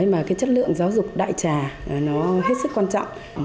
mà cái chất lượng giáo dục đại trà nó hết sức quan trọng